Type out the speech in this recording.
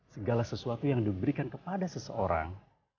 segala sesuatu yang diberikan kepada seseorang